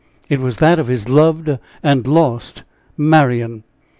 it was that of his loved and lost Marian!